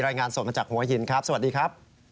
รายงานสดมาจากหัวหินครับสวัสดีครับ